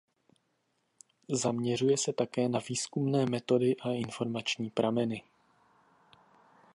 Zaměřuje se také na výzkumné metody a informační prameny.